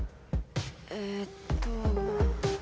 えっと